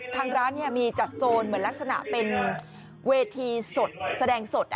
ทางร้านมีจัดโซนเหมือนลักษณะเป็นเวทีสดแสดงสด